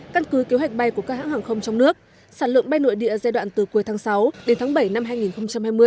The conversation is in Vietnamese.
căn cứ kế hoạch bay của các hãng hàng không trong nước sản lượng bay nội địa giai đoạn từ cuối tháng sáu đến tháng bảy năm hai nghìn hai mươi